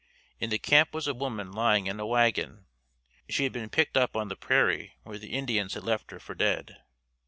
In the camp was a woman lying in a wagon. She had been picked up on the prairie where the Indians had left her for dead.